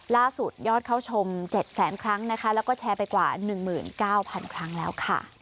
ล่าสุดยอดเข้าชม๗แสนครั้งนะคะแล้วก็แชร์ไปกว่า๑๙๐๐ครั้งแล้วค่ะ